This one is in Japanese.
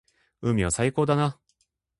海は最高だな。